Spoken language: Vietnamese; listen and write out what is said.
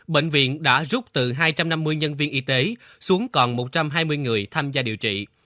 bệnh viện đã rút từ hai trăm năm mươi nhân viên y tế xuống còn một trăm hai mươi người tham gia điều trị